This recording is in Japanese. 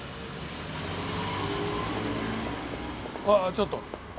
ああちょっと。